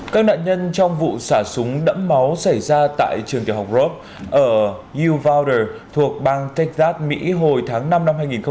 các nạn nhân trong vụ xả súng đẫm máu xảy ra tại trường tiểu học rope ở uvalder thuộc bang texas mỹ hồi tháng năm năm hai nghìn hai mươi hai